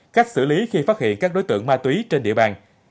cách xử lý khi phát hiện các đối tượng ma túy trên địa bàn